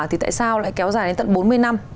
thì tại sao lại kéo dài đến tận bốn mươi năm